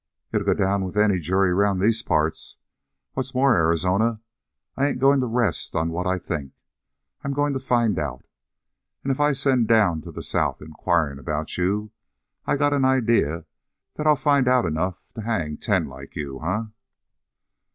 "It'll go down with any jury around these parts. What's more, Arizona, I ain't going to rest on what I think. I'm going to find out. And, if I send down to the south inquiring about you, I got an idea that I'll find out enough to hang ten like you, eh?"